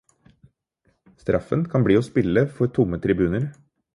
Straffen kan bli å spille for tomme tribuner.